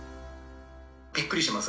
びっくりしてます。